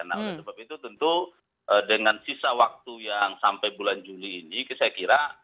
nah oleh sebab itu tentu dengan sisa waktu yang sampai bulan juli ini saya kira